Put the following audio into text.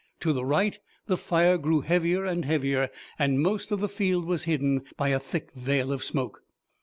To the right the fire grew heavier and heavier, and most of the field was hidden by a thick veil of smoke.